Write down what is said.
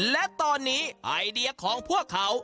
และตอนนี้ไอเดียของพวกเขา